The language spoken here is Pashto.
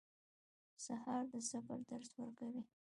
سهار د صبر درس ورکوي.